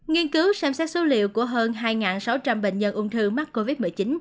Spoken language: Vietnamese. nghiên cứu xem xét số liệu của hơn hai sáu trăm linh bệnh nhân ung thư mắc covid một mươi chín